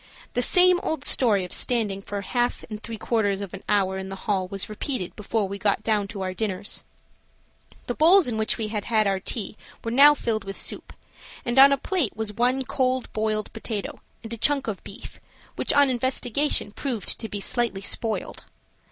The same old story of standing for a half and three quarters of an hour in the hall was repeated before we got down to our dinners. The bowls in which we had had our tea were now filled with soup, and on a plate was one cold boiled potato and a chunk of beef, which on investigation, proved to be slightly spoiled.